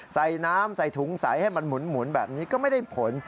ใส่น้ำใส่ถุงใสให้มันหมุนแบบนี้ก็ไม่ได้ผล